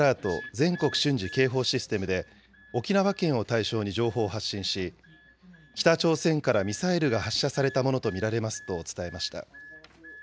・全国瞬時警報システムで、沖縄県を対象に情報を発信し、北朝鮮からミサイルが発射されたものと見られますと伝えました。